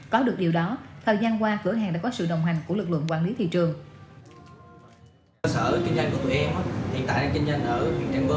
có được điều đó thời gian qua cửa hàng đã có sự đồng hành của lực lượng quản lý thị trường